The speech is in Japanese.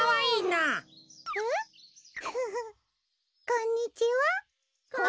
こんにちは！